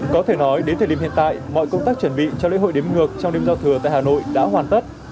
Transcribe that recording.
có thể nói đến thời điểm hiện tại mọi công tác chuẩn bị cho lễ hội đếm ngược trong đêm giao thừa tại hà nội đã hoàn tất